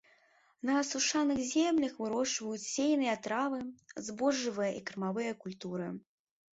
На асушаных землях вырошчваюць сеяныя травы, збожжавыя і кармавыя культуры.